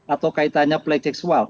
atau kaitannya plegeksual